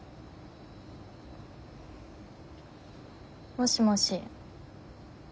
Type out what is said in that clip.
もしもし。